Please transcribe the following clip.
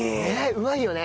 うまいよね。